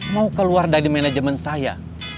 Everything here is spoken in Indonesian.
mau keluar dari manajemen saya